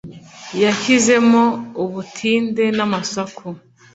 Yashyizemo ubutinde n’amasaku